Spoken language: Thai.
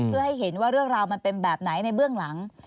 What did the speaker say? เพื่อให้เห็นว่าเรื่องราวมันเป็นแบบไหนในเบื้องหลัง